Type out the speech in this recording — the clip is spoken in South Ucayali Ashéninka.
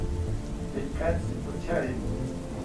Tekatzi pocharini